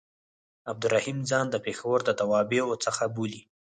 عبدالرحیم ځان د پېښور د توابعو څخه بولي.